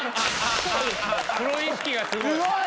プロ意識がすごい。